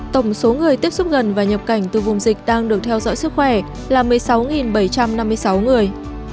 tổng số người tiếp xúc gần và nhập cảnh từ vùng dịch đang được theo dõi sức khỏe là một mươi sáu bảy trăm năm mươi sáu người